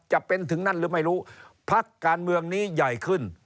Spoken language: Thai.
จะเป็นถึงนั่นหรือไม่รู้พักการเมืองนี้ใหญ่ขึ้น